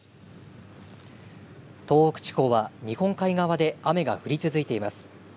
東北地方は日本海側で雨が降り続いています。